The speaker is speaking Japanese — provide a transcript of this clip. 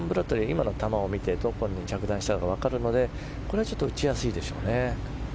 今の球を見て、どこに着弾したか分かるまで打ちやすいでしょうね。